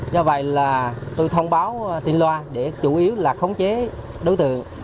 do vậy là tôi thông báo tìm loa để chủ yếu là khống chế đối tượng